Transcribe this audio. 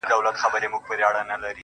ها جلوه دار حُسن په ټوله ښاريه کي نسته.